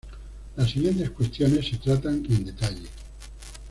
Las siguientes cuestiones se tratan en detalle.